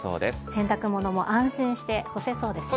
洗濯物も安心して干せそうですね。